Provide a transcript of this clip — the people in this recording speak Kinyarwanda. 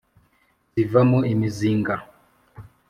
zivamo imizinga,